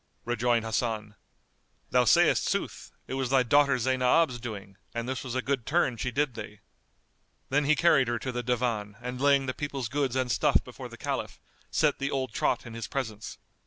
Rejoined Hasan, "Thou sayst sooth, it was thy daughter Zaynab's doing, and this was a good turn she did thee." Then he carried her to the Divan and laying the people's goods and stuff before the Caliph, set the old trot in his presence.